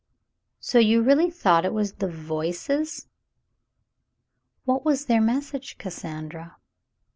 "So you really thought it was the 'Voices' '^. What was their message, Cassandra